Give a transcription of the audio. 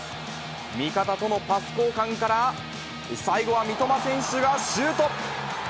味方とのパス交換から、最後は三笘選手がシュート。